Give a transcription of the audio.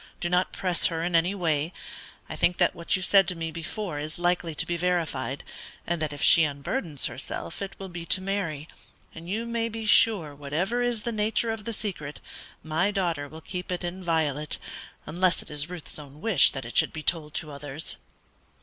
Do not press her in any way. I think that what you said to me before is likely to be verified, and that if she unburdens herself it will be to Mary; and you may be sure whatever is the nature of the secret, my daughter will keep it inviolate, unless it is Ruth's own wish that it should be told to others."